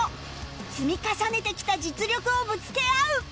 積み重ねてきた実力をぶつけ合う！